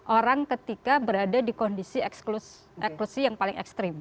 orang ketika berada di kondisi eksklusi yang paling ekstrim